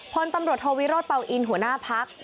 พลตำรวจโทวิโรธเป่าอินหัวหน้าพัก